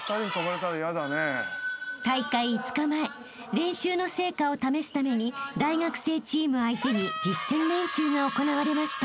［練習の成果を試すために大学生チーム相手に実践練習が行われました］